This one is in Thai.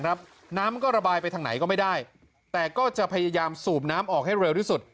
น้ำก็ระบายไปทางไหนก็ไม่ได้แต่ก็จะพยายามสูบน้ำออกให้เร็วที่สุด